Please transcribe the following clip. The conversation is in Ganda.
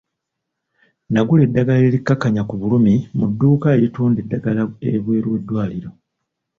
Nagula eddagala erikkakkanya ku bulumi mu dduuka eritunda eddagala ebweru w'eddwaliro.